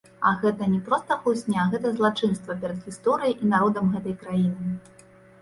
А гэта не проста хлусня, гэта злачынства перад гісторыяй і народам гэтай краіны.